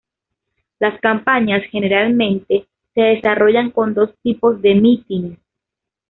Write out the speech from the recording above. Las campañas generalmente, se desarrollaron con dos tipos de mítines.